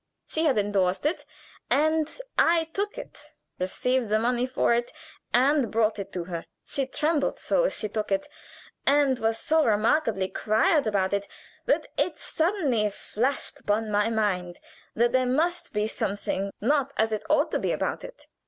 She had indorsed it, and I took it, received the money for it, and brought it to her. She trembled so as she took it, and was so remarkably quiet about it, that it suddenly flashed upon my mind that there must be something not as it ought to be about it.